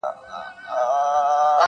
د مکار دښمن په کور کي به غوغا سي-